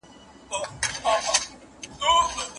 ايا کمپيوټر هم څوک ناروغه کوي؟